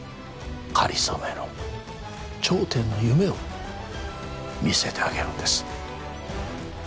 かりそめの頂点の夢を見せてあげるんです